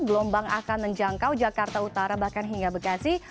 gelombang akan menjangkau jakarta utara bahkan hingga bekasi